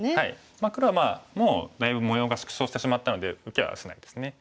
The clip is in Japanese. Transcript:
黒はもうだいぶ模様が縮小してしまったので受けはしないですね。